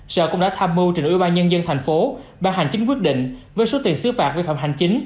sở cũng đã tham mưu trình ủy ban nhân dân thành phố ban hành chính quyết định với số tiền xứ phạt vi phạm hành chính